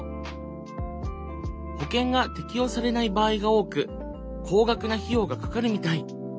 保険が適用されない場合が多く高額な費用がかかるみたい。